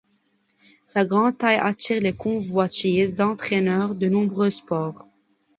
Sa grande taille attire les convoitises d'entraîneurs de nombreux sports.